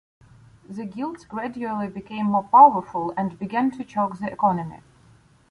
The guilds gradually became more powerful and began to choke the economy.